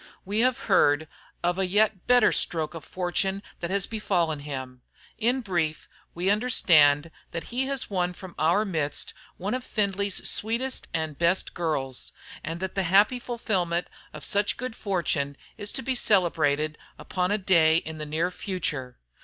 We have heard of a yet better stroke of fortune that has befallen him. In brief, we understand he has won from our midst one of Findlay's sweetest and best girls, and that the happy fulfilment of such good fortune is to be celebrated upon a day in the near future.